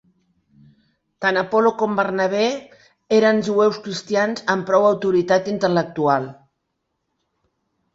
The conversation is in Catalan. Tant Apol·lo com Bernabé eren jueus cristians amb prou autoritat intel·lectual.